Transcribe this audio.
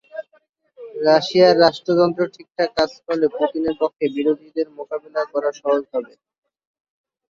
রাশিয়ার রাষ্ট্রযন্ত্র ঠিকঠাক কাজ করলে পুতিনের পক্ষে বিরোধীদের মোকাবিলা করা সহজ হবে।